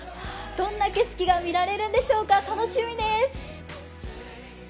どんな景色が見られるんでしょうか、楽しみです。